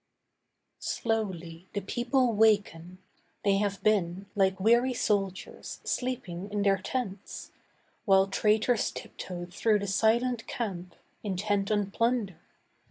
Slowly the People waken; they have been, Like weary soldiers, sleeping in their tents, While traitors tiptoed through the silent camp Intent on plunder.